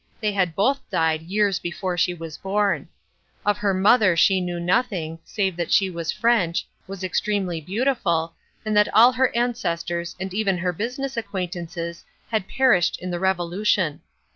They had both died years before she was born. Of her mother she knew nothing, save that she was French, was extremely beautiful, and that all her ancestors and even her business acquaintances had perished in the Revolution.